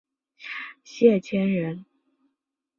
谢迁人。